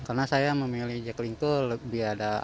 karena saya memilih jaklinggo lebih ada ac